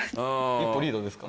一歩リードですか？